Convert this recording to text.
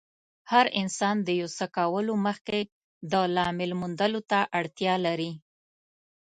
هر انسان د يو څه کولو مخکې د لامل موندلو ته اړتیا لري.